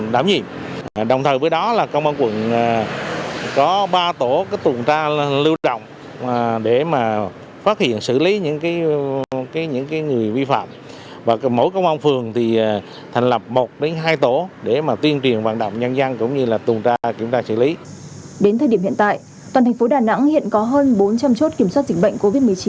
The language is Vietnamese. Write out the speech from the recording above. đến thời điểm hiện tại toàn thành phố đà nẵng hiện có hơn bốn trăm linh chốt kiểm soát dịch bệnh covid một mươi chín